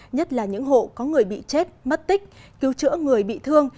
nhất là những hộ có người bị chết mất tích cứu chữa người bị thương